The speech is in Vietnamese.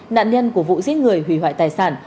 nạn nhân của vụ giết người hủy hoại tài sản